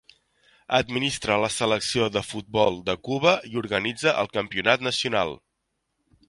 Administra la selecció de futbol de Cuba i organitza el Campionat Nacional.